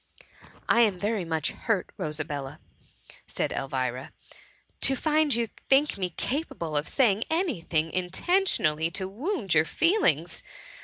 ''*' I am Ji^ery much hurt, Rosabella," said Elvira, *' to find you think me capable of saying any thing intentionally to wound your feelings.